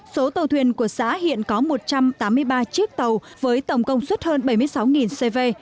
số tàu thuyền của xã hiện có một trăm tám mươi ba chiếc tàu với tổng công suất hơn bảy mươi sáu cv